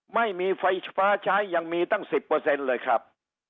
ไม่มีไฟฟ้าใช้ยังมีตั้ง๑๐เลยครับ